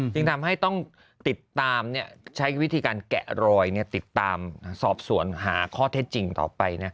จึงทำให้ต้องติดตามใช้วิธีการแกะรอยติดตามสอบสวนหาข้อเท็จจริงต่อไป